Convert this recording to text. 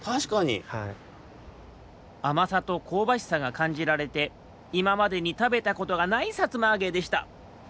あまさとこうばしさがかんじられていままでにたべたことがないさつまあげでした